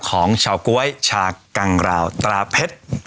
ของชาวก๊วยชากังราวตราเพชร